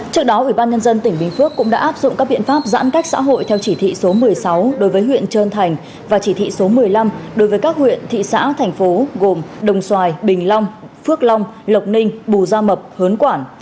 trước đó ubnd tỉnh bình phước cũng đã áp dụng các biện pháp giãn cách xã hội theo chỉ thị số một mươi sáu đối với huyện trơn thành và chỉ thị số một mươi năm đối với các huyện thị xã thành phố gồm đồng xoài bình long phước long lộc ninh bù gia mập hớn quản